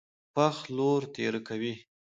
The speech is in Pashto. پښ لور تېره کوي.